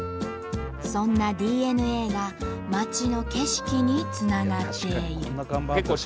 そんなＤＮＡが街の景色につながっている。